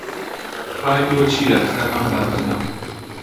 ڕای تۆ چییە لەسەر ئەم بابەتە؟